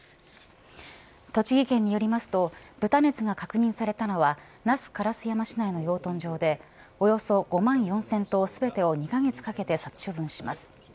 栃木県によりますと豚熱が確認されたのは那須烏山市内の養豚場でおよそ５万４０００頭全てを２カ月かけて殺処分します。